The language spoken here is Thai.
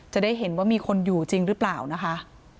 จะได้เห็นว่ามีคนอยู่จริงหรือเปล่านะคะ